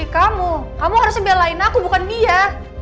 kamu kamu harusnya belain aku bukan dia